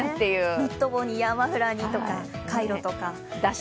ニット帽にマフラーにとかカイロとか。